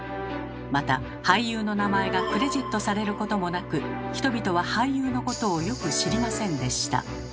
また俳優の名前がクレジットされることもなく人々は俳優のことをよく知りませんでした。